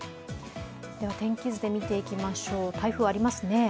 天気図で見ていきましょう、台風ありますね。